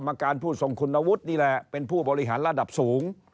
กรรมการผู้ทรงคุณวุฒินี่แหละเป็นผู้บริหารระดับสูง